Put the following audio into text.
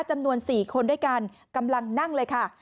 จำนวน๔คนด้วยกันกำลังนั่งเลยค่ะ